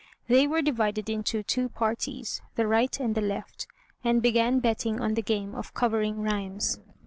They were divided into two parties, the right and the left, and began betting on the game of "Covering Rhymes."